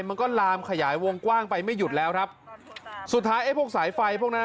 มันก็ลามขยายวงกว้างไปไม่หยุดแล้วครับสุดท้ายไอ้พวกสายไฟพวกนั้น